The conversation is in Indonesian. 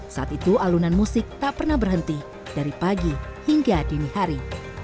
saat itu alunan musik tak pernah berhenti dari pagi hingga dini hari